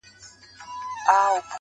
زړه قلا!!